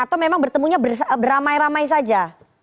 atau memang bertemunya beramai ramai saja